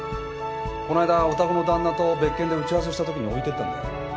こないだお宅の旦那と別件で打ち合わせしたときに置いてったんだよ。